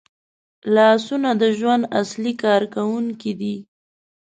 لاسونه د ژوند اصلي کارکوونکي دي